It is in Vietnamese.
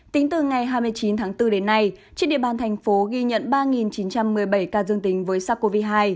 tính từ ngày hai mươi chín tháng bốn đến nay trên địa bàn thành phố ghi nhận ba chín trăm một mươi bảy ca dương tính với sars cov hai